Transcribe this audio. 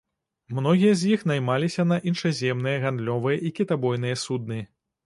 Многія з іх наймаліся на іншаземныя гандлёвыя і кітабойныя судны.